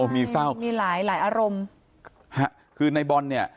มีเศร้ามีหลายหลายอารมณ์คือในบอลเนี่ย